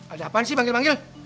ada apaan sih banggil banggil